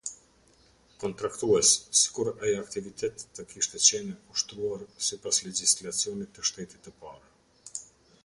Kontraktues, sikur ai aktivitet të kishte qenë ushtruar sipas legjislacionit të shtetit të parë.